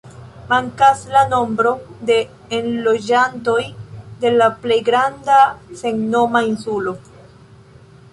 Mankas la nombro de enloĝantoj de la plej granda, sennoma insulo.